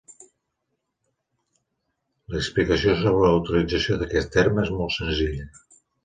L'explicació sobre la utilització d'aquest terme és molt senzilla.